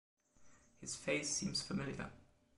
His face seems familiar.